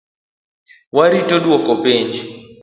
Warito duoko penj